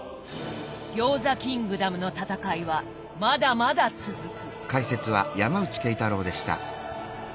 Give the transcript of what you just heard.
餃子キングダムの戦いはまだまだ続く。